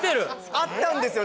あったんですよ